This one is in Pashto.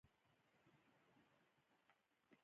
که مو د خپلي دندې عزت وکړئ! نو پرمختګ به وکړئ!